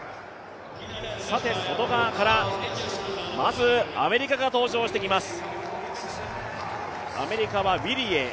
外側から、まずアメリカが登場してきます。